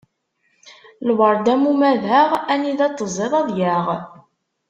Lweṛd am umadaɣ, anida t-teẓẓiḍ ad yaɣ.